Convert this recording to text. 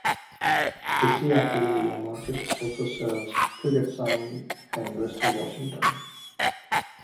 The Seattle media market also serves Puget Sound and Western Washington.